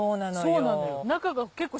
そうなのよ。